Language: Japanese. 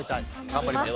頑張ります。